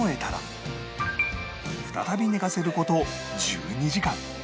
再び寝かせる事１２時間